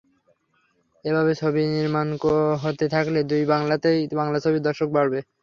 এভাবে ছবি নির্মাণ হতে থাকলে দুই বাংলাতেই বাংলা ছবির দর্শক বাড়বে।